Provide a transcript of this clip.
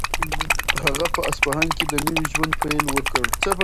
هغه په اصفهان کې د نوي ژوند پیل وکړ.